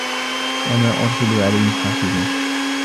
وَمَا أُرْسِلُوا عَلَيْهِمْ حَافِظِينَ